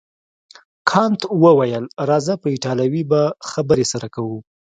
کانت وویل راځه په ایټالوي به خبرې سره کوو.